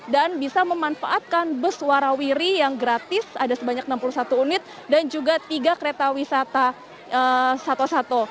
bisa memanfaatkan bus warawiri yang gratis ada sebanyak enam puluh satu unit dan juga tiga kereta wisata sato satwa